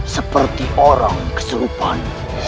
seperti orang kesurupan